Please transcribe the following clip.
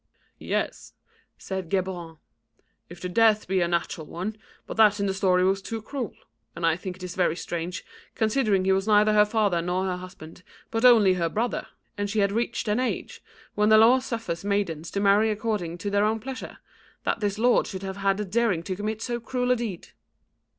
"Yes," said Geburon, "if the death be a natural one, but that in the story was too cruel. And I think it very strange, considering he was neither her father nor her husband but only her brother, and she had reached an age when the law suffers maidens to marry according to their own pleasure, that this lord should have had the daring to commit so cruel a deed."